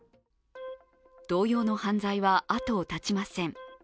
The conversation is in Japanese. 同様の犯罪は後を絶ちません。